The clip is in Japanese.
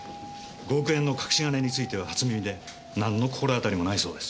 ５億円の隠し金については初耳でなんの心当たりもないそうです。